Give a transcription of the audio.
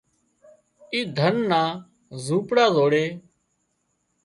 اي ڌنَ نا زونپڙا زوڙي